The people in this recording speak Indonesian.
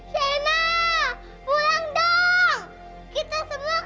saudara perang profit apartment